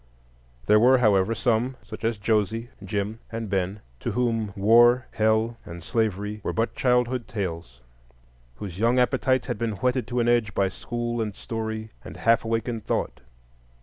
There were, however, some—such as Josie, Jim, and Ben—to whom War, Hell, and Slavery were but childhood tales, whose young appetites had been whetted to an edge by school and story and half awakened thought.